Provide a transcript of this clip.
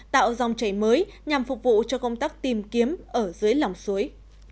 tạo dòng chảy mới nhằm phục vụ cho công tác tìm kiếm ở dưới lòng suối